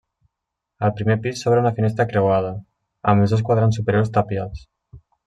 Al primer pis s'obre una finestra creuada, amb els dos quadrants superiors tapiats.